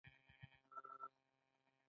هغوی یوځای د روښانه بام له لارې سفر پیل کړ.